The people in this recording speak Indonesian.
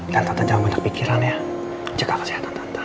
dan tante jangan banyak pikiran ya jaga kesehatan tante